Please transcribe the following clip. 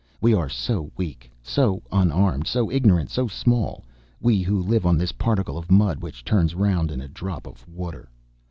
We are so weak, so unarmed, so ignorant, so small, we who live on this particle of mud which turns round in a drop of water.